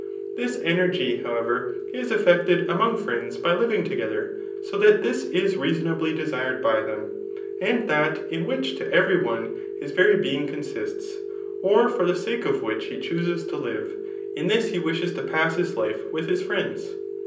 This energy, however, is Reeled among friends by living together ; so that this is reason* ably desired by them. And that in which to every one his very being consists, or for the sake of which he chooses to live, in this be wishes to pass his life with his friends.